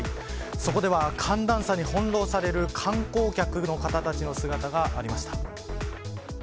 そこでは、寒暖差に翻弄される観光客の方たちの姿がありました。